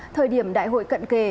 thời điểm đại hội cận kề